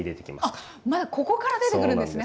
あっまだここから出てくるんですね